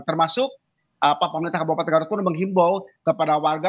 termasuk pemerintah kabupaten garut pun menghimbau kepada warga